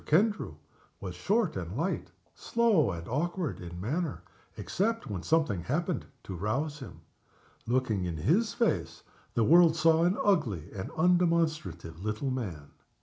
Kendrew was short and light slow and awkward in manner, except when something happened to rouse him. Looking in his face, the world saw an ugly and undemonstrative little man.